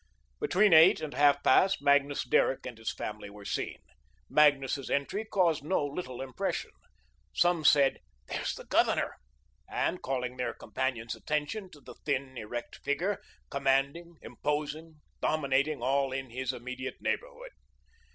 Between eight and half past, Magnus Derrick and his family were seen. Magnus's entry caused no little impression. Some said: "There's the Governor," and called their companions' attention to the thin, erect figure, commanding, imposing, dominating all in his immediate neighbourhood.